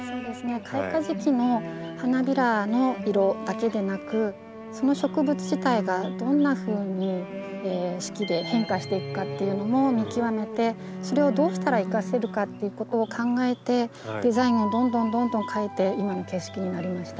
開花時期の花びらの色だけでなくその植物自体がどんなふうに四季で変化していくかっていうのも見極めてそれをどうしたら生かせるかっていうことを考えてデザインをどんどんどんどん変えて今の景色になりました。